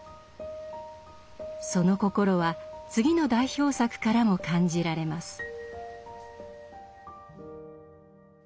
その心は次の代表作からも感じられます。